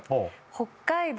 北海道